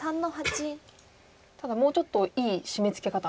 ただもうちょっといいシメツケ方ありましたかね。